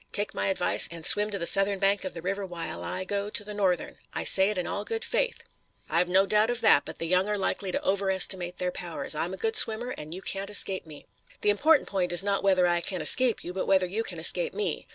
Take my advice, and swim to the southern bank of the river while I go to the northern. I say it in all good faith." "I've no doubt of that, but the young are likely to over estimate their powers. I'm a good swimmer, and you can't escape me." "The important point is not whether I can escape you, but whether you can escape me.